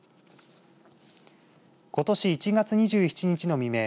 ことし１月２７日の未明